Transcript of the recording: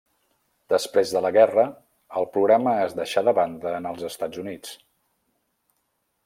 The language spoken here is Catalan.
Després de la guerra el programa es deixà de banda en els Estats Units.